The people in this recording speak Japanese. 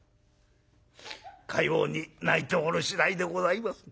かように泣いておる次第でございます」。